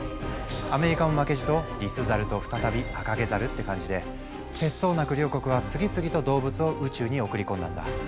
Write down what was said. アメリカも負けじとリスザルと再びアカゲザルって感じで節操なく両国は次々と動物を宇宙に送り込んだんだ。